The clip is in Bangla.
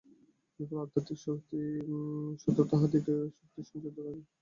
বিপুল আধ্যাত্মিক শক্তি স্বতই তাঁহাদিগের ভিতর সঞ্চিত থাকে।